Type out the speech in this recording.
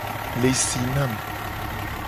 Le si nam.